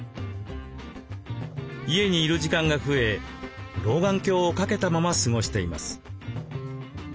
家にいる時間が増え老眼鏡を掛けたまま過ごしています。